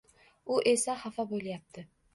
U esa xafa bo‘lyapti.